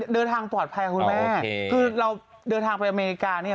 เดินทางปลอดภัยคุณแม่คือเราเดินทางไปอเมริกาเนี่ย